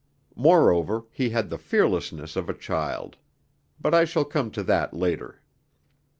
Moreover, he had the fearlessness of a child but I shall come to that later.